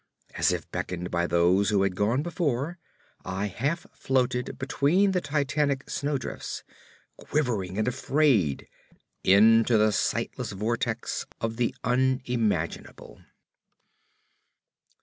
As if beckoned by those who had gone before, I half floated between the titanic snowdrifts, quivering and afraid, into the sightless vortex of the unimaginable.